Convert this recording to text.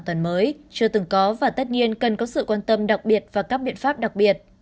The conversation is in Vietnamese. tuần mới chưa từng có và tất nhiên cần có sự quan tâm đặc biệt và các biện pháp đặc biệt